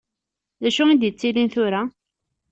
Dacu i d-yettilin tura?